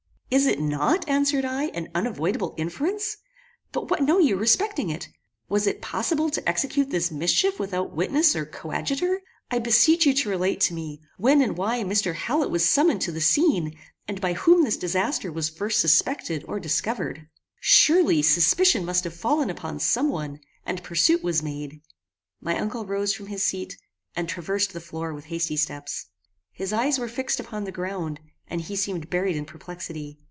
"Is it not," answered I, "an unavoidable inference? But what know you respecting it? Was it possible to execute this mischief without witness or coadjutor? I beseech you to relate to me, when and why Mr. Hallet was summoned to the scene, and by whom this disaster was first suspected or discovered. Surely, suspicion must have fallen upon some one, and pursuit was made." My uncle rose from his seat, and traversed the floor with hasty steps. His eyes were fixed upon the ground, and he seemed buried in perplexity.